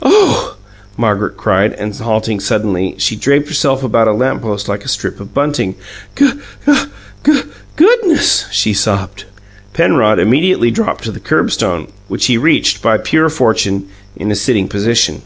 "OH!" Margaret cried, and, halting suddenly, she draped herself about a lamp post like a strip of bunting. "Guh uh guh GOODNESS!" she sobbed. Penrod immediately drooped to the curb stone, which he reached, by pure fortune, in a sitting position.